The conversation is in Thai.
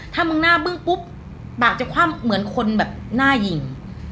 ถ้ามึงหน้าบึ้งปุ๊บปากจะคว่ำเหมือนคนแบบหน้ายิง